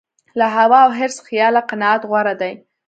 له هوا او حرص خیاله قناعت غوره دی.